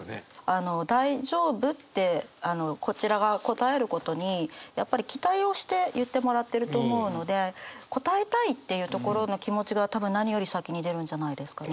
あの大丈夫ってこちらが応えることにやっぱり期待をして言ってもらってると思うので応えたいっていうところの気持ちが多分何より先に出るんじゃないですかね。